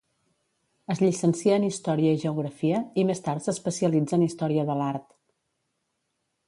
Es llicencia en Història i Geografia, i més tard s'especialitza en Història de l'art.